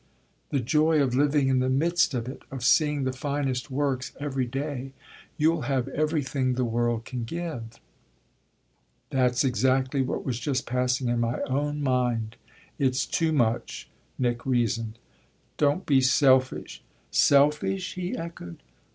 The joy of living in the midst of it of seeing the finest works every day! You'll have everything the world can give." "That's exactly what was just passing in my own mind. It's too much," Nick reasoned. "Don't be selfish!" "Selfish?" he echoed.